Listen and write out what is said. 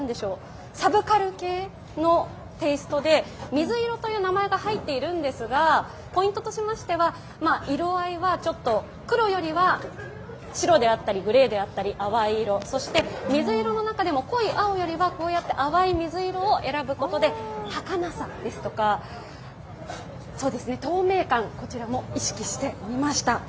サブカル系のテイストで水色という名前が入っているんですが、ポイントとしましては、色合いは黒よりは白であったりグレーであったり淡い色、そして水色の中でも濃い青よりは淡い水色を選ぶことではかなさですとか、こちらも透明感意識しておりました。